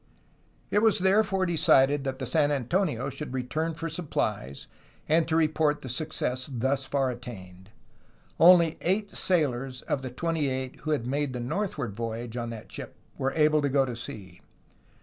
It was therefore decided that the San Antonio should return for supplies and to report the success thus far attained. Only eight sailors of the twenty eight who had made the north ward voyage on that ship were able to go to sea.